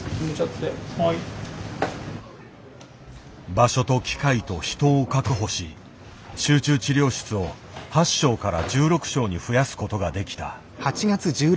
場所と機械と人を確保し集中治療室を８床から１６床に増やすことができた。